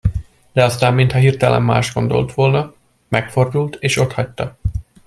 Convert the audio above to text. De aztán, mintha hirtelen mást gondolt volna, megfordult és otthagyta.